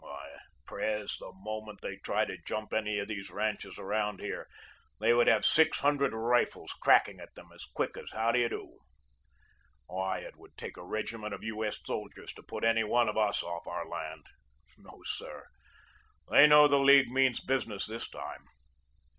Why, Pres, the moment they'd try to jump any of these ranches around here, they would have six hundred rifles cracking at them as quick as how do you do. Why, it would take a regiment of U. S. soldiers to put any one of us off our land. No, sir; they know the League means business this time."